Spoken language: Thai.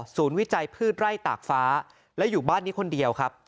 ศูนย์วิจัยพืชไล่ตากฟ้าอยู่บ้านนี้คนเดียว